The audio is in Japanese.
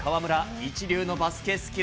一流のバスケスキル。